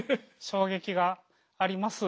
衝撃があります。